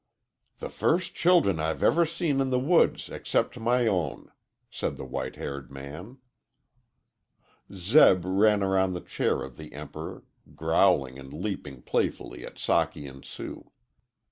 "The first children I've ever seen in the woods except my own," said the white haired man. Zeb ran around the chair of the Emperor, growling and leaping playfully at Socky and Sue.